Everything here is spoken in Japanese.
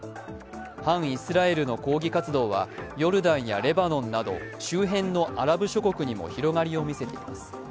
反イスラエルの抗議活動はヨルダンやレバノンなど周辺のアラブ諸国にも広がりをみせています。